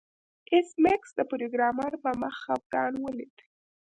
ایس میکس د پروګرامر په مخ خفګان ولید